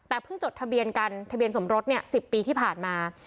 แต่เพิ่งจดทะเบียนกันทะเบียนสมรส๑๐ปีที่ผ่านมา